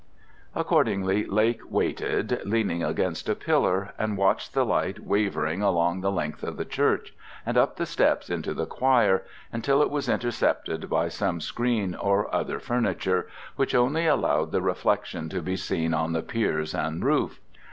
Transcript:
Accordingly Lake waited, leaning against a pillar, and watched the light wavering along the length of the church, and up the steps into the choir, until it was intercepted by some screen or other furniture, which only allowed the reflection to be seen on the piers and roof.